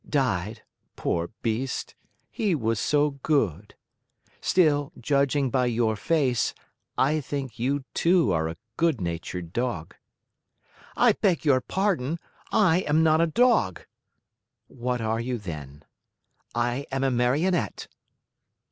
"Died? Poor beast! He was so good! Still, judging by your face, I think you, too, are a good natured dog." "I beg your pardon, I am not a dog!" "What are you, then?" "I am a Marionette."